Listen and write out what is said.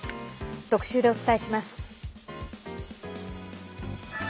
特集でお伝えします。